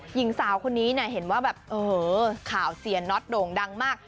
หญิงสาวคนนี้เห็นว่าแบบเออข่าวเซียนน็อตโด่งดังมาก